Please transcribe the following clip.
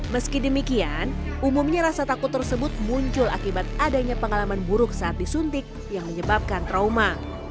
meski demikian umumnya rasa takut tersebut muncul akibat adanya pengalaman buruk saat disuntik yang menyebabkan trauma